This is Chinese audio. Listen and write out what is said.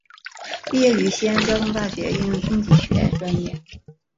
毕业于西安交通大学应用经济学专业。